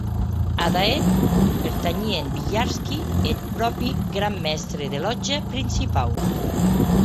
Ada eth pertanhien Villarski e eth pròpi gran mèstre de lòtja principau.